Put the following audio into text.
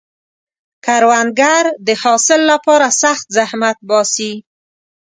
کروندګر د حاصل لپاره سخت زحمت باسي